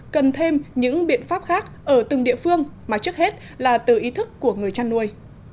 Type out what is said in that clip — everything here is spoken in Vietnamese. cần thêm những biện pháp khác ở từng địa phương mà trước hết là từ ý thức của người chăn nuôi